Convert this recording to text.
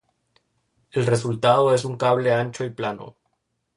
El resultado es un cable ancho y plano.